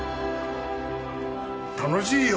楽しいよ！